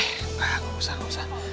eh gak usah gak usah